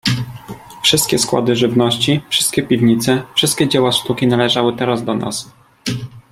"Wszystkie składy żywności, wszystkie piwnice, wszystkie dzieła sztuki należały teraz do nas."